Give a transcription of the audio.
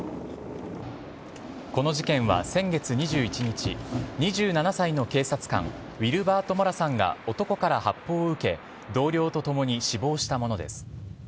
この事件は先月２１日２７歳の警察官ウィルバート・モラさんが男から発砲を受け同僚とともに死亡したものです。